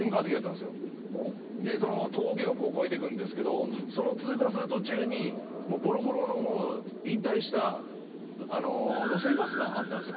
峠を越えていくんですけどその通過する途中にボロボロの引退した路線バスがあったんですよ。